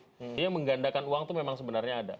jadi menggandakan uang itu memang sebenarnya ada